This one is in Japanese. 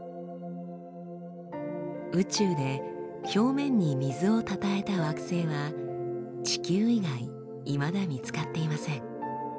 宇宙で表面に水をたたえた惑星は地球以外いまだ見つかっていません。